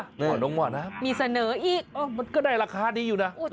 ขอลงมานะครับมีเสนออีกโอ้โฮมันก็ได้ราคานี้อยู่นะ